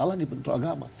masalah di bentrok agama